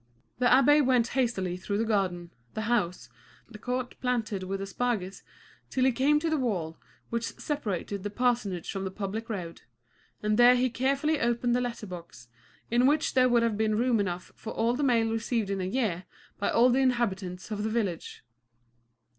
The abbé went hastily through the garden, the house, the court planted with asparagus, till he came to the wall which separated the parsonage from the public road, and there he carefully opened the letter box, in which there would have been room enough for all the mail received in a year by all the inhabitants of the village.